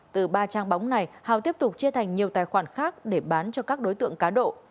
từ ba trang bóng này hào tiếp tục chia thành nhiều tài khoản khác để bán cho các đối tượng cá độ